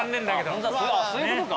ああそういうことか。